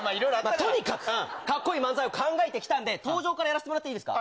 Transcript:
とにかく、かっこいい漫才を考えてきたんで、登場からやらせてもらっていいですか？